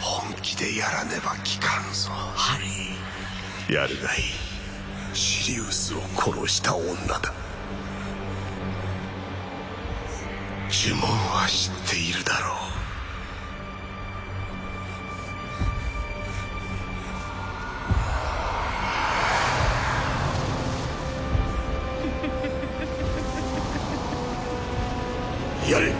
本気でやらねば効かんぞハリーやるがいいシリウスを殺した女だ呪文は知っているだろうフフフフやれ！